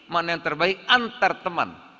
mana yang terbaik antar teman